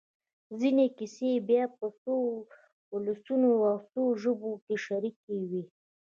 ځينې کیسې بیا په څو ولسونو او څو ژبو کې شریکې وي.